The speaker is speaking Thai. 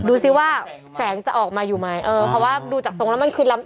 ดูสิว่าแสงจะออกมาอยู่ไหมเออเพราะว่าดูจากทรงแล้วมันคือล้ำ